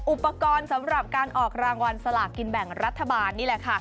อุปกรณ์สำหรับการออกรางวัลสลากกินแบ่งรัฐบาลนี่แหละค่ะ